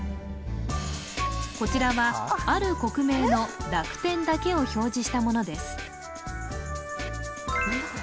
こちらはある国名の濁点だけを表示したものです・